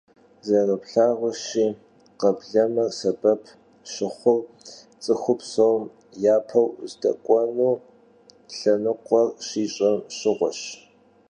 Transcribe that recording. Zerıplhağuşi, kheblemer sebep şıxhur ts'ıxur psom yapeu zdek'uenu lhenıkhuer şiş'em şığueş.